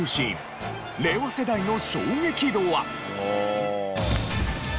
令和世代の衝撃度は？